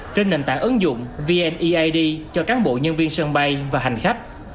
trên nền tảng ứng dụng vneid cho cán bộ nhân viên sân bay và hành khách